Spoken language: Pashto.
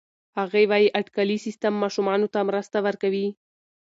هغې وايي اټکلي سیستم ماشومانو ته مرسته ورکوي.